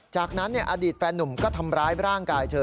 จากนั้นอดีตแฟนนุ่มก็ทำร้ายร่างกายเธอ